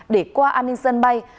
để qua an ninh sân bay